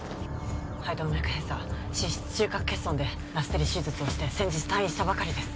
肺動脈閉鎖心室中隔欠損でラステリ手術をして先日退院したばかりです